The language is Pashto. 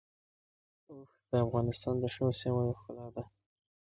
اوښ د افغانستان د شنو سیمو یوه ښکلا ده.